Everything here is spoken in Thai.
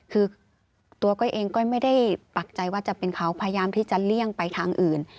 คือตัวก้อยเองก็ไม่ได้ปักใจว่าจะเป็นเขาพยายามที่จะเลี่ยงไปทางอื่น